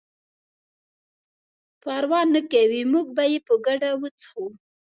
پروا نه کوي موږ به یې په ګډه وڅښو.